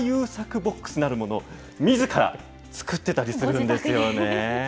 ボックスなるものをみずから作ってたりするんですよね。